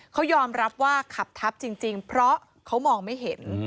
เขายอมรับว่าขับทับจริงเพราะเขามองไม่เห็น